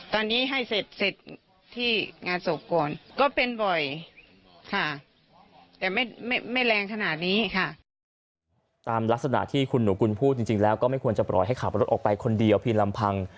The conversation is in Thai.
ตามลักษณะที่คุณหนูกุลพูดจริงแล้วก็ไม่ควรจะปล่อยให้ขับรถออกไปคนเดียวพิลำพัง